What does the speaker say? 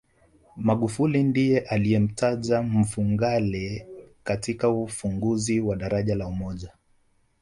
magufuli ndiye aliyemtaja mfugale katika ufunguzi wa daraja la umoja